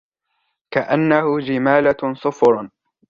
كَأَنَّهُ جِمَالَتٌ صُفْرٌ